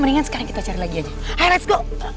nah kita dejeng